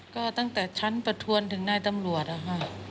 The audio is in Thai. ก็ตั้งแต่ชั้นประทวนถึงนายตำรวจนะคะ